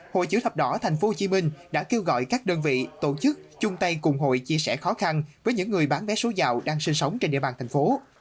hội chữ thập đỏ tp hcm đã kêu gọi các đơn vị tổ chức chung tay cùng hội chia sẻ khó khăn với những người bán vé số giàu đang sinh sống trên địa bàn thành phố